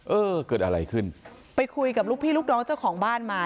เออเกิดอะไรขึ้นไปคุยกับลูกพี่ลูกน้องเจ้าของบ้านมา